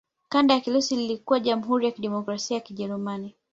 Kanda la Kirusi lilikuwa Jamhuri ya Kidemokrasia ya Kijerumani.